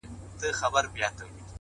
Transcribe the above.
حوصله ستړې ورځې نرموي؛